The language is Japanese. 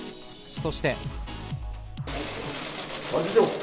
そして。